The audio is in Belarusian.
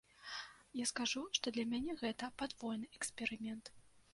Я скажу, што для мяне гэта падвойны эксперымент.